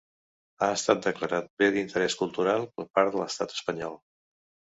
Ha estat declarada Bé d'interès cultural per part de l'Estat espanyol.